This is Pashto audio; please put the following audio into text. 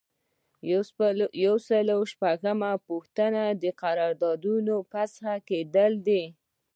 یو سل او شپږمه پوښتنه د قرارداد فسخه کیدل دي.